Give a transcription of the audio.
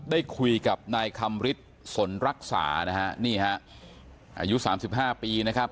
ได้คุยกับนายคำฤทธิ์สนรักษานะฮะนี่ฮะอายุสามสิบห้าปีนะครับ